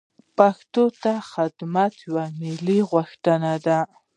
پښتو ته خدمت یوه ملي غوښتنه ده.